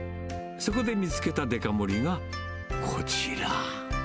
そこで見つけたデカ盛りがこちら。